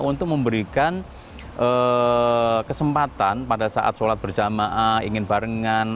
untuk memberikan kesempatan pada saat sholat berjamaah ingin barengan